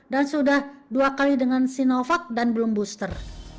dan sudah dua kali dengan sinovac dan belum booster